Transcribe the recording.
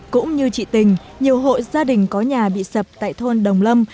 cũng như chị tình nhiều hộ gia đình có nhà bị sập tại thôn đồng lâm